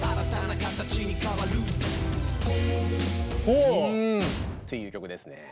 ほ！ん！っていう曲ですね。